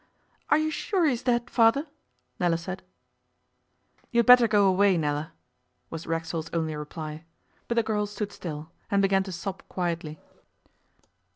'Are you sure he is dead, Father?' Nella said. 'You'd better go away, Nella,' was Racksole's only reply; but the girl stood still, and began to sob quietly.